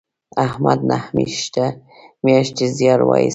احمد نهه میاشتې زیار و ایست